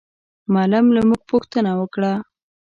معلم له موږ پوښتنه وکړه.